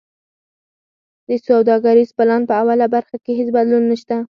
د سوداګریز پلان په اوله برخه کی هیڅ بدلون نشته.